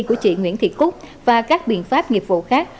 của chị nguyễn thị cúc và các biện pháp nghiệp vụ khác